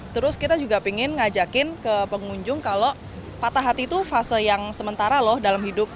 terus kita juga ingin ngajakin ke pengunjung kalau patah hati itu fase yang sementara loh dalam hidup